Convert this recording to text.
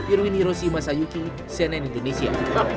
irwin hiroshi masayuki cnn indonesia